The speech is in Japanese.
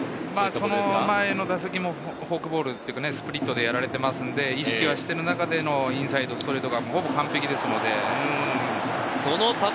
その前の打席もフォークボール、スプリットでやられていますので、意識している中でのインサイド、ストレート。